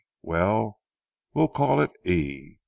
Well we'll call it 'E.'"